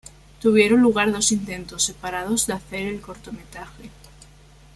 Tuvieron lugar dos intentos separados de hacer el cortometraje.